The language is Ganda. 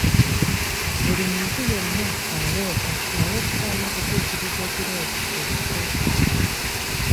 Buli muntu yenna aloota naye okufaayo okutuukiriza ekirooto kye kikulu.